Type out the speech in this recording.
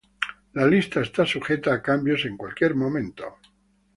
La lista está sujeta a cambios en cualquier momento.